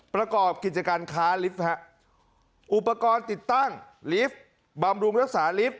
ประกอบกิจการค้าลิฟต์ฮะอุปกรณ์ติดตั้งลิฟต์บำรุงรักษาลิฟต